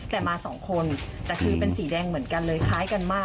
แต่มาสองคนแต่คือเป็นสีแดงเหมือนกันเลยคล้ายกันมาก